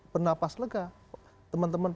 pernah pas lega teman teman